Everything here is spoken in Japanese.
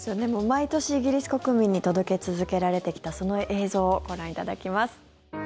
毎年イギリス国民に届け続けられてきたその映像をご覧いただきます。